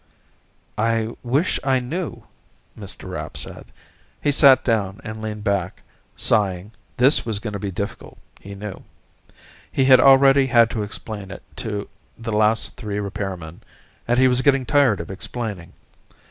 "I wish I knew," Mr. Rapp said. He sat down, and leaned back, sighing. This was going to be difficult, he knew. He had already had to explain it to the last three repairmen, and he was getting tired of explaining.